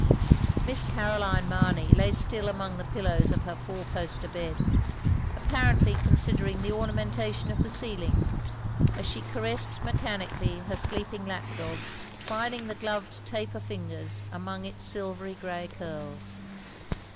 Miss Caroline Mamey lay still among the pillows of her fotir poster bed; apparently con sidering the ornamentation of the ceiling, as she caressed mechanically her sleeping lap dog; twin ing the gloved taper fingers among its silvery grey ctirls.